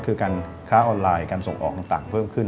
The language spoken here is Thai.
คือการค้าออนไลน์การส่งออกต่างเพิ่มขึ้น